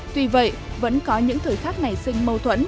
tuy vậy vẫn có những thời khắc nảy sinh mâu thuẫn